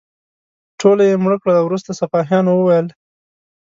ټوله یې مړه کړه او وروسته سپاهیانو وویل.